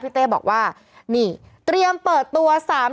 พี่ขับรถไปเจอแบบ